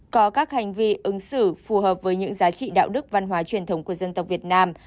có các hành vi ứng xử phù hợp với những giá trị đạo đức văn hóa truyền thống của dân tộc việt nam